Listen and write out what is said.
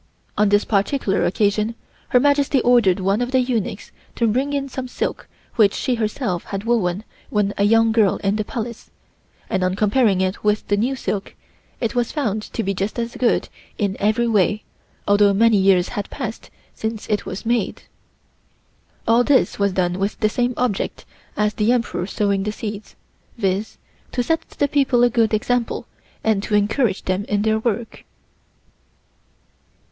On this particular occasion Her Majesty ordered one of the eunuchs to bring in some silk which she herself had woven when a young girl in the Palace, and on comparing it with the new silk it was found to be just as good in every way although many years had passed since it was made. All this was done with the same object as the Emperor sowing the seeds, viz.: to set the people a good example and to encourage them in their work.